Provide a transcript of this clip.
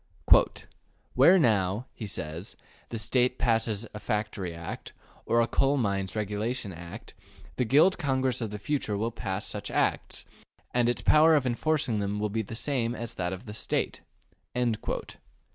'' ``Where now,'' he says, ``the State passes a Factory Act, or a Coal Mines Regulation Act, the Guild Congress of the future will pass such Acts, and its power of enforcing them will be the same as that of the State'' (p.